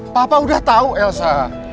papa udah tau elsa